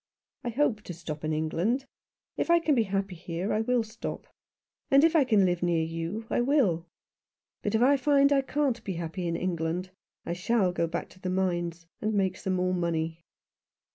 I hope to stop in England. If I can be happy here I will stop. And if I can live near you, I will. But if I find I can't be happy in England I shall go back to the mines, and make some more money."